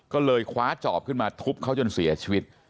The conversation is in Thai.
ก็เลยคว้าจอบขึ้นมาทุบเขาจนเสียชีวิต